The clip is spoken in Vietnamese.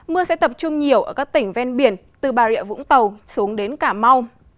mưa sẽ tập trung nhiều ở các tỉnh ven biển từ bà rịa vũng tàu xuống đến cà mau